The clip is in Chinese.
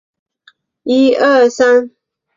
万历四十年壬子科广东乡试第一名举人。